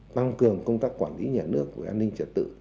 tăng cường công tác quản lý nhà nước về an ninh trật tự